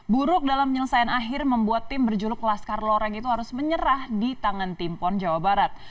buruk dalam penyelesaian akhir membuat tim berjuluk laskar loreng itu harus menyerah di tangan tim pon jawa barat